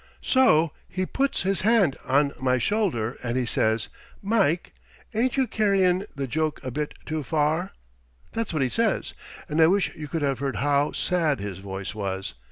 So he puts his hand on my shoulder and he says, 'Mike, ain't you carryin' the joke a bit too far?' That's what he says, and I wish you could have heard how sad his voice was.